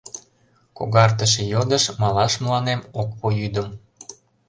Когартыше йодыш малаш мыланем ок пу йӱдым.